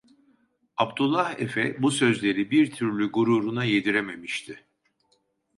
Abdullah Efe, bu sözleri bir türlü gururuna yedirememişti.